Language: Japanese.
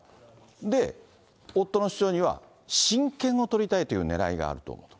で、夫の主張には、親権を取りたいというねらいがあると。